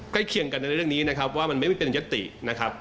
เคียงกันในเรื่องนี้นะครับว่ามันไม่เป็นยตินะครับ